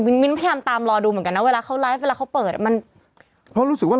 มิ้นพยายามตามรอดูเหมือนกันนะเวลาเขาไลฟ์เวลาเขาเปิดอ่ะมันเพราะรู้สึกว่า